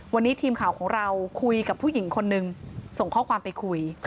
วันนี้ทีมข่าวของเราคุยกับผู้หญิงคนนึงส่งข้อความไปคุย